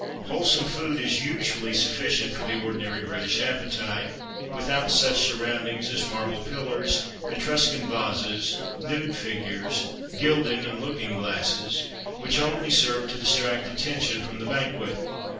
Wholesome food is usually sufficient for the ordinary British appetite, without such surroundings as marble pillars, Etruscan vases, nude figures, gilding, and looking glasses, which only serve to distract attention from the banquet.